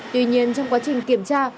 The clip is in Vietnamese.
tuy nhiên trong quá trình kiểm tra